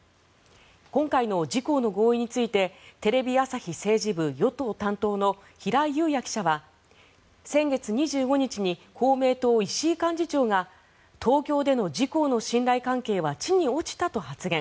今回の事項の合意についてテレビ朝日政治部与党担当の平井雄也記者は先月２５日に公明党石井幹事長が東京での自公の信頼関係は地に落ちたと発言。